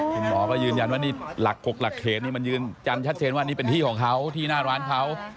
คุณหมอก็ยืนยันว่านี่หลัก๖หลักเขตนี่มันยืนยันชัดเจนว่านี่เป็นที่ของเขาที่หน้าร้านเขา